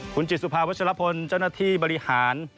คุณจิตสุภาวัชลพลเจ้าหน้าที่บริหาร